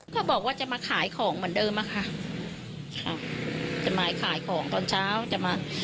ก็บอกว่าจะมาขายของเหมือนเดิมอะค่ะจะมาขายของตอนเช้าจะมา